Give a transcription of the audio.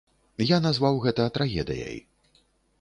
Я назваў гэта трагедыяй.